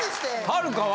はるかは？